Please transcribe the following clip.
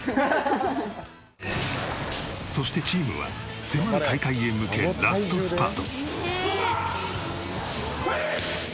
そしてチームは迫る大会へ向けラストスパート。